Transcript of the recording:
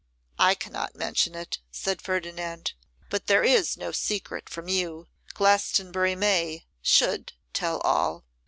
'I cannot mention it,' said Ferdinand; 'but there is no secret from you. Glastonbury may should tell all.